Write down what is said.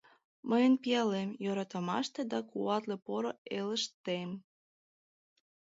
Мыйын пиалем — йӧратымаште Да куатле поро элыштем.